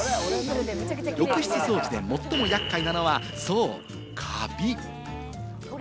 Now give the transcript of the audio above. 浴室掃除で最も厄介なのは、そう、カビ。